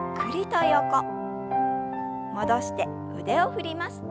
戻して腕を振ります。